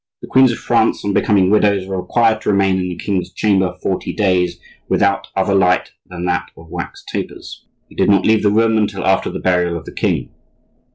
The queens of France, on becoming widows, were required to remain in the king's chamber forty days without other light than that of wax tapers; they did not leave the room until after the burial of the king.